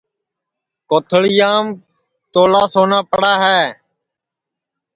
کوتھݪِیام تولا سونا پڑا ہے